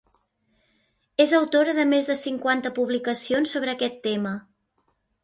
És autora de més de cinquanta publicacions sobre aquest tema.